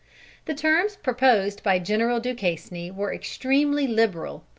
The terms proposed by General Duquesne were extremely liberal.